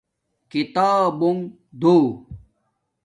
کتابونݣ دو